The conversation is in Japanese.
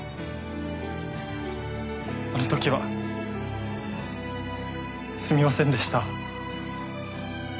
あのときはすみませんでした。